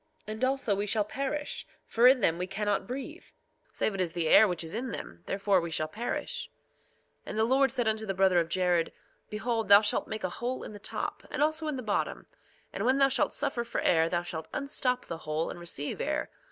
And also we shall perish, for in them we cannot breathe, save it is the air which is in them; therefore we shall perish. 2:20 And the Lord said unto the brother of Jared: Behold, thou shalt make a hole in the top, and also in the bottom; and when thou shalt suffer for air thou shalt unstop the hole and receive air.